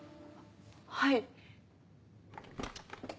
はい。